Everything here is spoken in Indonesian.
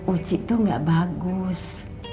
ucik tuh gak bagus